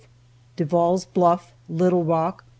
DEVALL'S BLUFF. LITTLE ROCK.